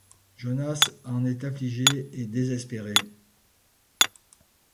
Jonas en est affligé et désespéré.